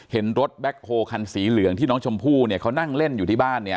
เห็นรถแบ็คโฮคันสีเหลืองที่น้องชมพู่เนี่ยเขานั่งเล่นอยู่ที่บ้านเนี่ย